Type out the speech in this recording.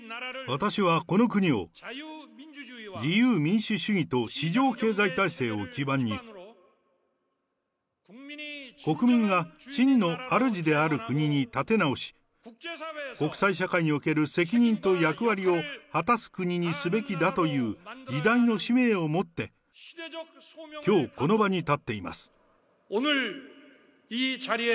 私はこの国を自由民主主義と市場経済体制を基盤に、国民が真の主である国に立て直し、国際社会における責任と役割を果たす国にすべきだという時代の使命を持って、きょう、この場に立っています。